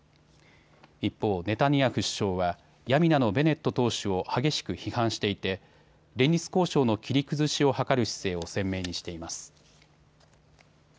一方、ネタニヤフ首相はヤミナのベネット党首を激しく批判していて連立交渉の切り崩しを図る姿勢を鮮明にしています。